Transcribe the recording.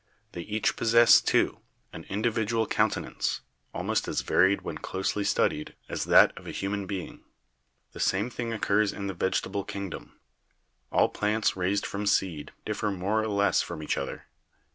They each possess, too, an individual countenance, almost as varied when closely studied as that of a human being. The same thing occurs in the vegetable kingdom. All plants raised from seed differ more or less from each other.